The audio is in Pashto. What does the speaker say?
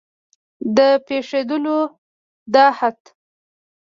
د پېښېدلو د احت